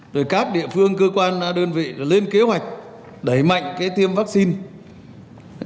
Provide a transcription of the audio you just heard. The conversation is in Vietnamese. rồi các địa phương cơ quan đơn vị lên kế hoạch đẩy mạnh cái tiêm vaccine